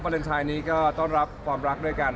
เลนไทยนี้ก็ต้อนรับความรักด้วยกัน